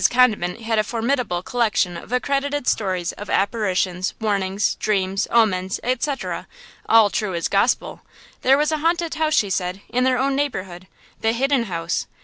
Condiment had a formidable collection of accredited stories of apparitions, warnings, dreams, omens, etc., all true as gospel. There was a haunted house, she said, in their own neighborhood–The Hidden House.